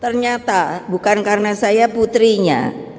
ternyata bukan karena saya putrinya